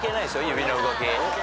指の動き。